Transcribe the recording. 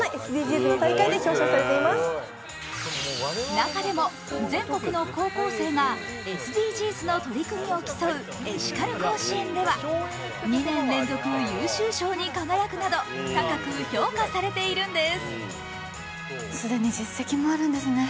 中でも、全国の高校生がＳＤＧｓの取り組みを競うエシカル甲子園では２年連続優秀賞に輝くなど高く評価されているんです。